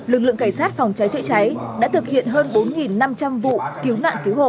lực lượng cảnh sát phòng cháy chữa cháy đã thực hiện hơn bốn năm trăm linh vụ cứu nạn cứu hộ